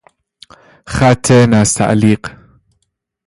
خط نستعلیق